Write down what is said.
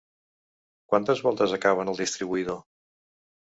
Quantes voltes acaben el distribuïdor?